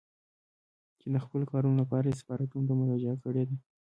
چې د خپلو کارونو لپاره يې سفارتونو ته مراجعه کړې ده.